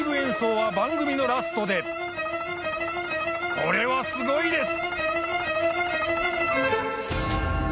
これはすごいです！